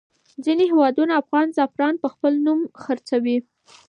ځینې هېوادونه افغان زعفران په خپل نوم خرڅوي.